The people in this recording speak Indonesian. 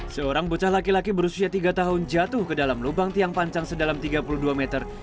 seorang bocah laki laki berusia tiga tahun jatuh ke dalam lubang tiang panjang sedalam tiga puluh dua meter